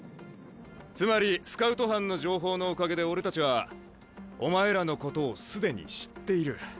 つまりスカウト班の情報のおかげで俺たちはお前らのことを既に知っている。